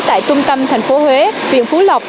tại trung tâm thành phố huế viện phú lộc